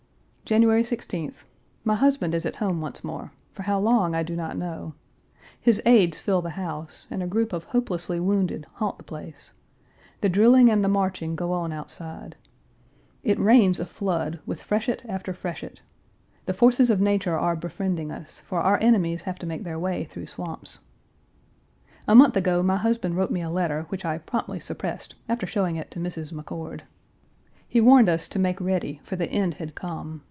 January 16th. My husband is at home once more for how long, I do not know. His aides fill the house, and a group of hopelessly wounded haunt the place. The drilling and the marching go on outside. It rains a flood, with freshet after freshet. The forces of nature are befriending us, for our enemies have to make their way through swamps. A month ago my husband wrote me a letter which I promptly suppressed after showing it to Mrs. McCord. He Page 342 warned us to make ready, for the end had come.